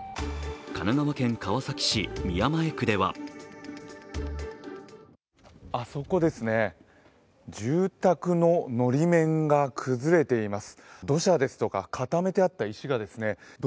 神奈川県川崎市宮前区ではあそこですね、住宅ののり面が崩れています。